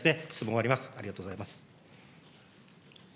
ありがとうございます。